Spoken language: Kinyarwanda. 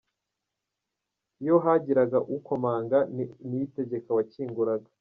Iyo hagiraga ukomanga ni Niyitegeka wakinguraga.